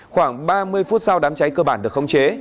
khoảng ba mươi phút sau đám cháy cơ bản được không chế